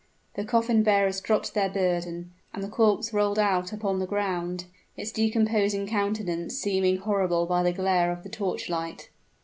The coffin bearers dropped their burden, and the corpse rolled out upon the ground, its decomposing countenance seeming horrible by the glare of the torch light.